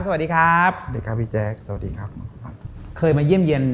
สวัสดีครับ